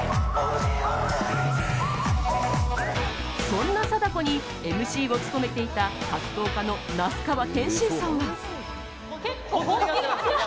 そんな貞子に、ＭＣを務めていた格闘家の那須川天心さんは。